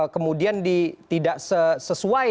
kemudian tidak sesuai